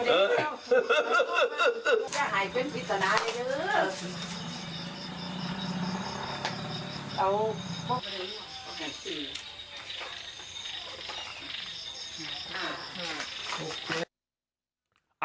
เออหายเป็นพิษณะเลย